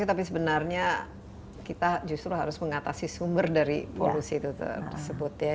tapi sebenarnya kita justru harus mengatasi sumber dari polusi itu tersebut ya